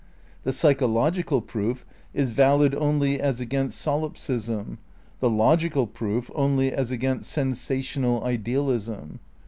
The psychological proof is valid only as against solipsism; the logical proof only as against sensational idealism.